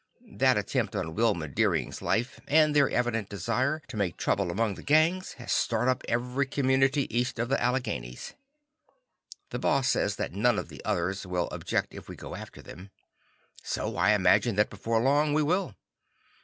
That attempt on Wilma Deering's life and their evident desire to make trouble among the gangs, has stirred up every community east of the Alleghenies. The Boss says that none of the others will object if we go after them. So I imagine that before long we will.